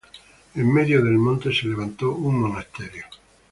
En medio del monte se levantó un monasterio.